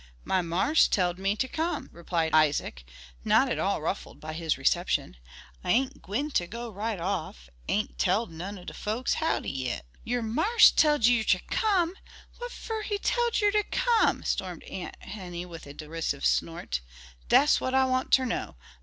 "My marse tell'd me ter come," replied Isaac, not at all ruffled by his reception. "I ain't gwine ter go right off; ain't tell'd none o' de folks howdy yit." "Your marse tell'd you ter come! What fer he tell'd yer to come?" stormed Aunt Henny, with a derisive snort. "Dat's what I want ter know.